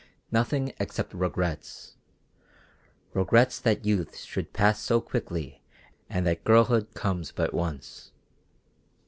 Nothing except regrets regrets that youth should pass so quickly and that girlhood comes but once."